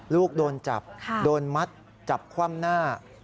ลูกโดนจับโดนมัดจับคว่ำหน้า